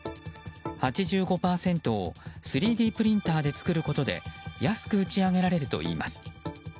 ８５％を３Ｄプリンターで作ることで安く打ち上げられるといいます。